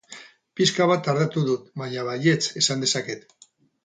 Pixka bat tardatu dut, baina baietz esan dezaket.